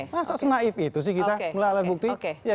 masa senaif itu sih kita melalui bukti